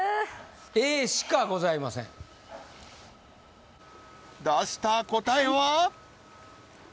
頼むＡしかございません出した答えは？